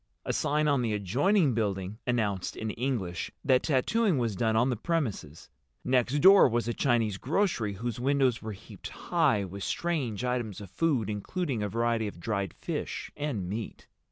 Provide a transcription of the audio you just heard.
A sign on the adjoining building announced—in English—that tattooing was done on the premises, next door was a Chinese grocery whose windows were heaped high with strange items of food including a variety of dried fish and meat.